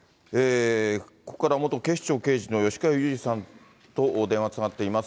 ここから元警視庁刑事の吉川祐二さんと電話がつながっています。